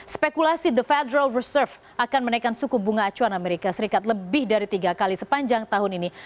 spekulasi the federal reserve akan menaikkan suku bunga acuan amerika serikat lebih dari tiga kali sepanjang tahun ini